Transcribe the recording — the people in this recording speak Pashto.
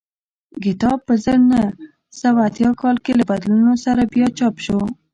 کتاب په زر نه سوه اتیا کال کې له بدلونونو سره بیا چاپ شو